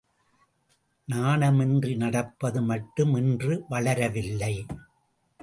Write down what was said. நாணமின்றி நடப்பது மட்டும் இன்று வளரவில்லை!